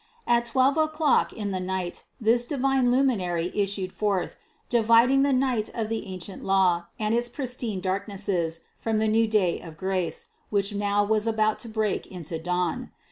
At twelve o'clock in the night this divine Luminary issued forth, dividing the night of the ancient Law and its pristine darknesses from the new day of grace, which now was about to break into dawn.